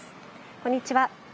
こんにちは。